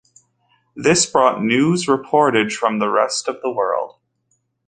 This brought news reportage from the rest of the world.